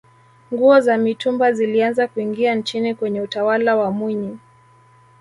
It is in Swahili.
nguo za mitumba zilianza kuingia nchini kwenye utawala wa mwinyi